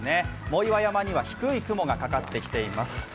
藻岩山には低い雲がかかってきています。